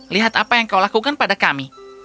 lihat apa yang kau lakukan pada kami